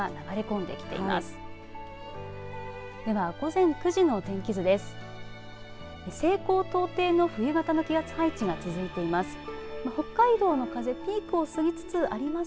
では、午前９時の天気図です。